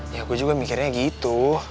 ya aku juga mikirnya gitu